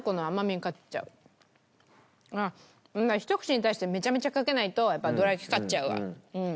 ひと口に対してめちゃめちゃかけないとどら焼き勝っちゃうわうん。